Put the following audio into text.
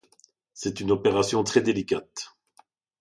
C’est une opération très délicate...